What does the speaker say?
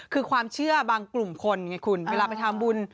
คือความเชื่อบางกลุ่มคนไงคุณเวลาไปทำบุญ